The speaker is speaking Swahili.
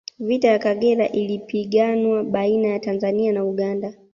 vita ya Kagera ilipiganwa baina ya tanzania na uganda